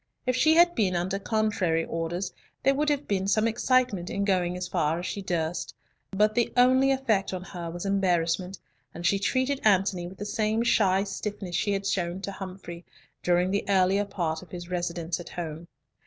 If she had been under contrary orders, there would have been some excitement in going as far as she durst, but the only effect on her was embarrassment, and she treated Antony with the same shy stiffness she had shown to Humfrey, during the earlier part of his residence at home.